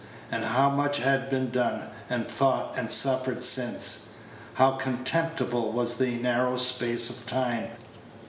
And how much had been done, and thought, and suffered since! How contemptible was the narrow space of time!